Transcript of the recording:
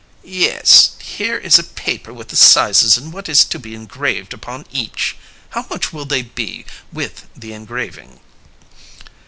"Yes. Here is a paper with the sizes and what is to be engraved upon each. How much will they be with the engraving?"